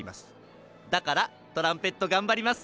だからトランペットがんばります！